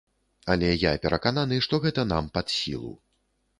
Але я перакананы, што гэта нам пад сілу.